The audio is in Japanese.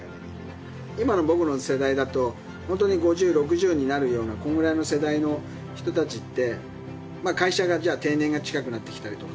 今の僕の世代だと、本当に５０、６０になるようなこのぐらいの世代の人たちって、会社がじゃあまあ、定年が近くなってきたりとか、